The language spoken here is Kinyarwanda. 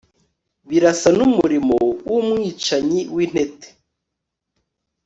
birasa n'umurimo w'umwicanyi w'intete